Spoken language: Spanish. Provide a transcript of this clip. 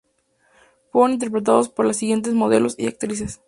Fueron interpretados por las siguientes modelos y actrices.